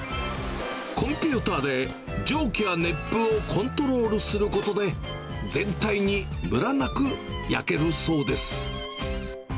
コンピューターで蒸気や熱風をコントロールすることで、全体にむらなく焼けるそうです。